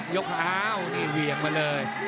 ยกอ้าวนี่เหวี่ยงมาเลย